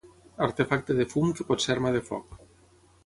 Artefacte de fum que pot ser arma de foc.